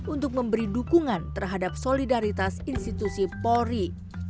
untuk memberi dukungan terhadap solidaritas institusi polri